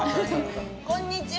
こんにちは。